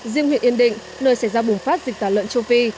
riêng huyện yên định nơi xảy ra bùng phát dịch tả lợn châu phi